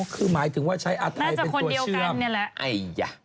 คือหมายถึงว่าใช้อาถัยเป็นตัวเชื่อม